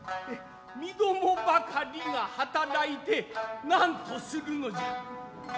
身共ばかりが働いて何とするのじゃ。